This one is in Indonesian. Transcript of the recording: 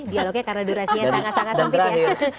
dialognya karena durasinya sangat sangat sempit ya